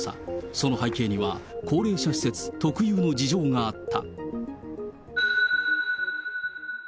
その背景には、高齢者施設特有の事情があった。